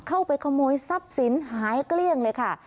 เข้าไปขโมยทรัพย์สินหายเกลี้ยงเลยค่ะ